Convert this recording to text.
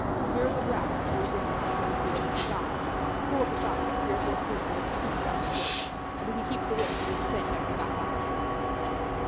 Here is a draught that you will give him as soon as he opens his eyes; pour besides three or four spoonfuls of soup down his throat, and if he keeps awake do the same every half hour."